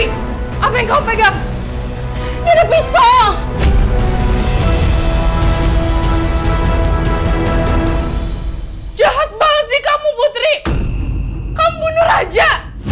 sampai jumpa di video selanjutnya